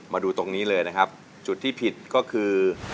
มาดูตรงนี้เลยนะครับจุดที่ผิดก็คือ